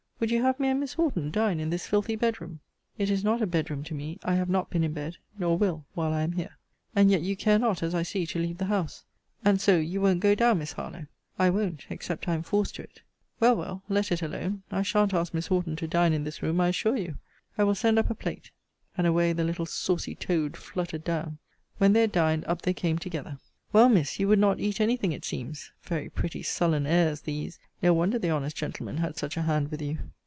Would you have me and Miss Horton dine in this filthy bed room? It is not a bed room to me. I have not been in bed; nor will, while I am here. And yet you care not, as I see, to leave the house. And so, you won't go down, Miss Harlowe? I won't, except I am forced to it. Well, well, let it alone. I sha'n't ask Miss Horton to dine in this room, I assure you. I will send up a plate. And away the little saucy toad fluttered down. When they had dined, up they came together. Well, Miss, you would not eat any thing, it seems? Very pretty sullen airs these! No wonder the honest gentleman had such a hand with you.